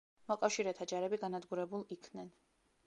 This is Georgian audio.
მოკავშირეთა ჯარები განადგურებულ იქნენ.